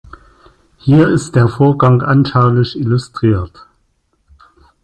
Hier ist der Vorgang anschaulich illustriert.